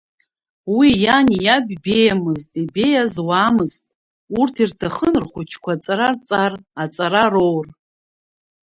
Уи иани иаби беиамызт ибеиаз уаамызт, урҭ ирҭахын рхәыҷқәа аҵара рҵар, аҵара роур.